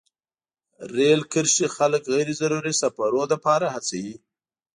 رېل کرښې خلک غیر ضروري سفرونو لپاره هڅوي.